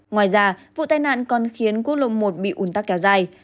ngoài ra vụ tai nạn còn khiến quốc lộ một bị ủn tắc kéo dài